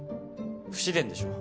不自然でしょう。